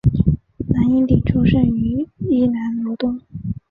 蓝荫鼎出生于宜兰罗东